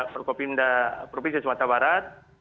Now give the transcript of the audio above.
perkopimda provinsi sumatera barat